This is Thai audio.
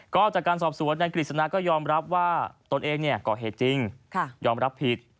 ก็จากการสอบสวนนายกฤษณาก็ยอมรับว่าตนเองก่อเหตุจริงยอมรับผิด